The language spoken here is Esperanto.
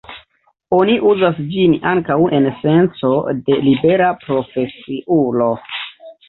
Oni uzas ĝin ankaŭ en senco de libera profesiulo.